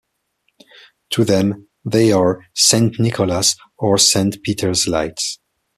To them, they are "Saint Nicholas" or "Saint Peter's lights".